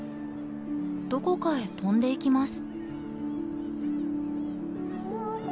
どこかへ飛んでいきます。